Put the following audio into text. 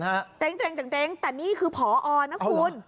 เตรงเตรงเตรงเตรงแต่นี่คือผอนะคุณ